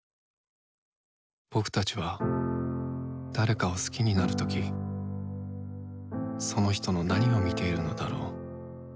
僕たちは誰かを好きになるときその人の何を見ているのだろう？